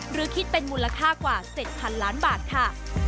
หรือคิดเป็นมูลค่ากว่า๗๐๐๐ล้านบาทค่ะ